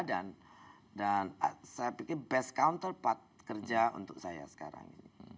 dan saya pikir best counterpart kerja untuk saya sekarang